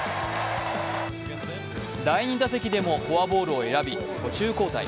第２打席でもフォアボールを選び途中交代。